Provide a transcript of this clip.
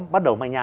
bắt đầu mai nhà